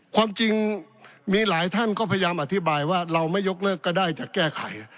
ความจริงมีหลายท่านก็พยายามอธิบายว่าเราไม่ยกเลิกก็ได้จะแก้ไข